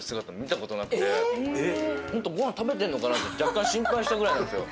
本当ごはん食べてるのかなって若干心配したぐらいなんですよ。